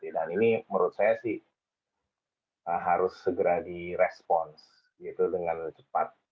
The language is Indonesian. dan ini menurut saya sih harus segera di response gitu dengan cepat